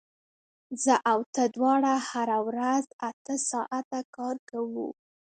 زه او ته دواړه هره ورځ اته ساعته کار کوو